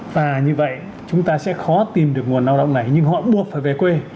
và như vậy chúng ta sẽ khó tìm được nguồn lao động này nhưng họ buộc phải về quê